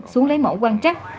xuống lấy mẫu quan trắc